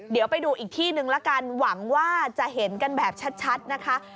เดี๋ยวไปดูอีกที่นึงละกันหวังว่าจะเห็นกันแบบชัดนะคะ